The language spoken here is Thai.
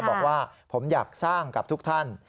บอกว่าผมอยากสร้างกับทุกท่าน